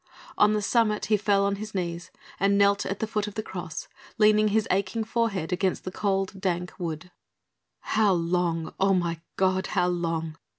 On the summit he fell on his knees and knelt at the foot of the Cross, leaning his aching forehead against the cold, dank wood. "How long, oh my God, how long?"